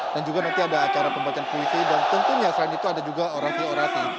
dan juga nanti ada acara pembacaan puisi dan tentunya selain itu ada juga orasi orasi